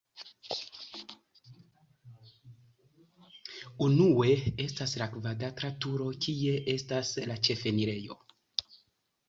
Unue estas la kvadrata turo, kie estas la ĉefenirejo.